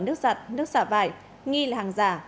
nước giặt nước xả vải nghi là hàng giả